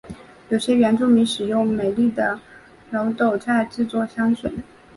有些原住民使用美丽耧斗菜制作香水。